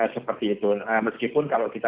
seperti itu meskipun kalau kita